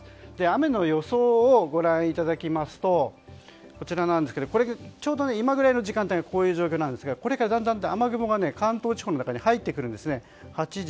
雨の予想をご覧いただきますとちょうど今ぐらいの時間帯がこういう状況なんですがこれからだんだん雨雲が関東地方に入ってくるんですね。